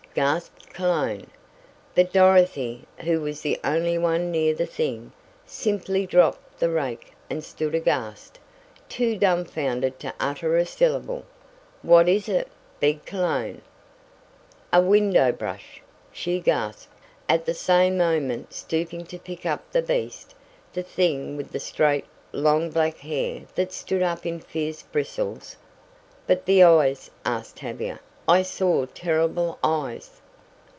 gasped Cologne. But Dorothy, who was the only one near the thing, simply dropped the rake and stood aghast too dumbfounded to utter a syllable! "What is it?" begged Cologne. "A WINDOW BRUSH!" she gasped, at the same moment stooping to pick up the beast the thing with the straight, long black hair that stood up in fierce bristles! [Illustration: "A WINDOW BRUSH!" SHE GASPED. Dorothy Dale's Camping Days Page 84] "But the eyes!" asked Tavia. "I saw terrible eyes!"